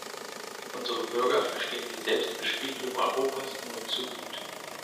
Unsere Bürger verstehen die Selbstbespiegelung Europas nur zu gut.